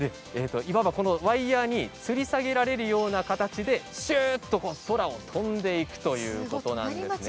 ワイヤーにつり下げられるような形でシューっと空を飛んでいくということなんですね。